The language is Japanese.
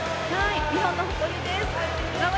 日本の誇りです。